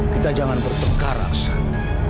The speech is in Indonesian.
kita jangan bertengkar aksan